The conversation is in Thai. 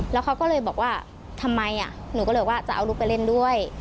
แล้วเขาก็เลยบอกว่าทำไมหนูก็เลยว่าจะเอาลูกไปเล่นด้วย